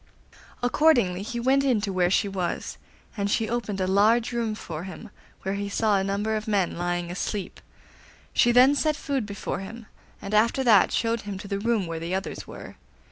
Accordingly he went in to where she was, and she opened a large room for him, where he saw a number of men lying asleep. She then set food before him, and after that showed him to the room where the others were.